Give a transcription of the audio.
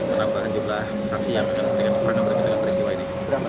menambahkan jumlah saksi yang akan diberikan